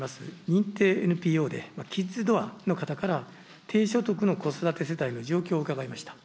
認定ＮＰＯで、キッズドアの方から低所得の子育て世帯の状況を伺いました。